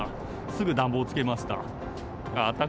すぐ暖房つけました。